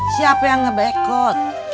siapa yang ngebekot